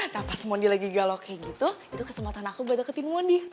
nah pas mondi lagi galau kayak gitu itu kesempatan aku buat deketin mondi